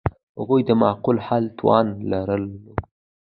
هغوی د معقول حل توان لرلو.